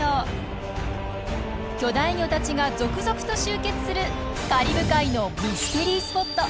巨大魚たちが続々と集結するカリブ海のミステリースポット。